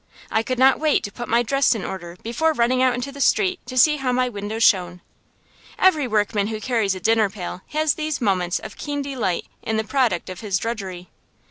I could not wait to put my dress in order before running out into the street to see how my windows shone. Every workman who carries a dinner pail has these moments of keen delight in the product of his drudgery.